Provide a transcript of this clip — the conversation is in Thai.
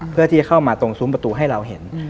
เพื่อที่จะเข้ามาตรงซุ้มประตูให้เราเห็น